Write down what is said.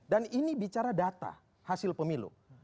dan ini bicara data hasil pemilu